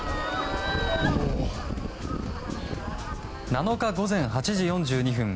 ７日午前８時４２分